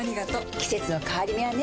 季節の変わり目はねうん。